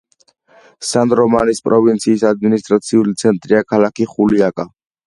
სან-რომანის პროვინციის ადმინისტრაციული ცენტრია ქალაქი ხულიაკა.